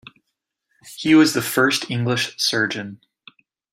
He was the first English surgeon.